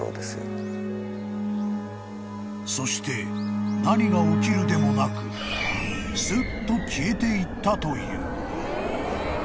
［そして何が起きるでもなくすっと消えていったという］